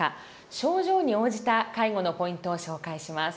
症状に応じた介護のポイントを紹介します。